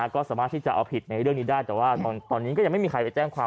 ก็สามารถที่จะเอาผิดในเรื่องนี้ได้แต่ว่าตอนนี้ก็ยังไม่มีใครไปแจ้งความ